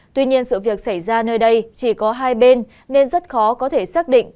tuy nhiên sự việc xảy ra nơi đây chỉ có hai bên nên rất khó có thể xác định